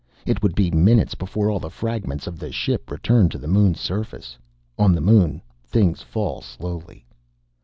It would be minutes before all the fragments of the ship returned to the Moon's surface. On the Moon, things fall slowly.